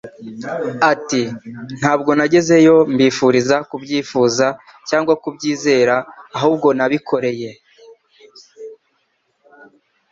Ati: "Ntabwo nagezeyo mbifuriza kubyifuza cyangwa kubyizera, ahubwo nabikoreye."